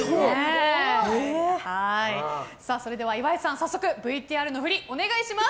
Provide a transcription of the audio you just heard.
それでは岩井さんＶＴＲ振り、お願いします。